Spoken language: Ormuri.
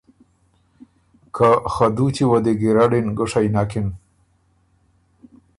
که ”خه دُوچی وه دی ګیرډِن ګُوشئ نکِن